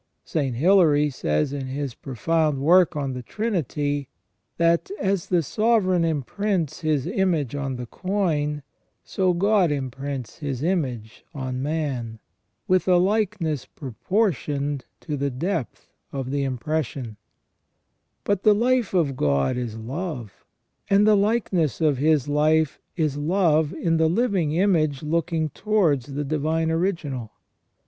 St. Hilary says in his pro found work on the Trinity, that " as the sovereign imprints his image on the coin, so God imprints His image on man, with a * S. Greg. Nyssa, Oral, in verb. Faciamus hominem. 22 ON THE NATURE OF MAN. likeness proportioned to the depth of the impression".* But the life of God is love, and the likeness of His life is love in the living image looking towards the divine original.